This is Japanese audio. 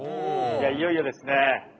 いよいよですね。